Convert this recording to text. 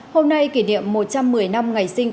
hôm nay kỷ niệm một trăm một mươi năm ngày sinh